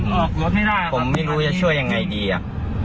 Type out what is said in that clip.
ออกรถไม่ได้ครับผมไม่รู้จะช่วยยังไงดีอ่ะ